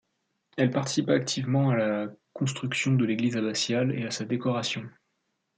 Elle participa activement à la construction de l'église abbatiale et à sa décoration.